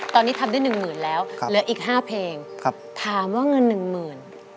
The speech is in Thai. ตอนนี้ทำได้หนึ่งหมื่นแล้วเหลืออีก๕เพลงถามว่าเงินหนึ่งหมื่น